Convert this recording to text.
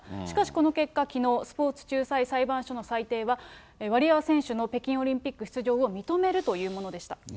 しかしこの結果、きのう、スポーツ仲裁裁判所の裁定は、ワリエワ選手の北京オリンピック出場を認めるというものでした。